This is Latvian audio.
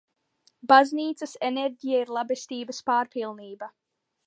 Baznīcas enerģija ir labestības pārpilnība.